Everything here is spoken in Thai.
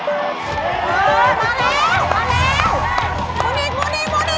อึ๊บอึ๊บอึ๊บใกล้แล้วใกล้แล้วมาใกล้แล้ว